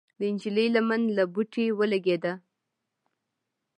د نجلۍ لمن له بوټي ولګېده.